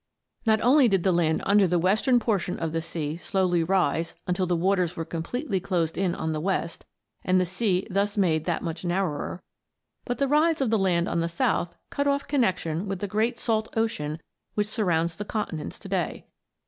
Not only did the land under the western portion of the sea slowly rise until the waters were completely closed in on the west, and the sea thus made that much narrower, but the rise of the land on the south cut off connection with the great salt ocean which surrounds the continents to day.